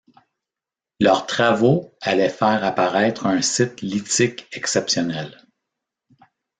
Leurs travaux allaient faire apparaître un site lithique exceptionnel.